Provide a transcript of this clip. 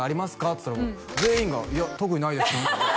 っつったら全員が「いや特にないです」